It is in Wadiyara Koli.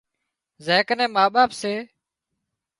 زين ڪنين ما ٻاپ سي